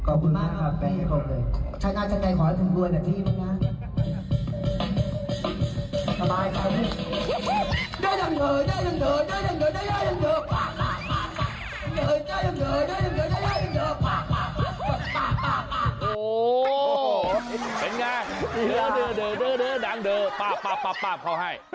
โอ้โหเป็นยังไงเดอนางเดอป้าเขาให้